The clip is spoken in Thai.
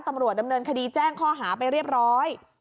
ตำรวจดำเนินคดีแจ้งข้อหาไปเรียบร้อย